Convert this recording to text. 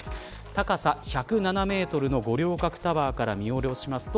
高さ１０７メートルの五稜郭タワーから見下ろしますと